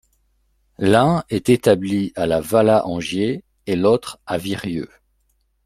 L'un est établi à La Valla-en-Gier et l'autre à Virieu.